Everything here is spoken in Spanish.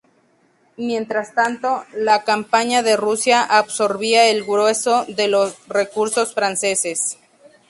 Mientras tanto, la campaña de Rusia absorbía el grueso de los recursos franceses.